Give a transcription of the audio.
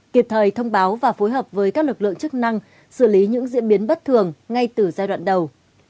kịp thời thông báo và phối hợp với các lực lượng chức năng xử lý những diễn biến bất thường ngay từ giai đoạn đầu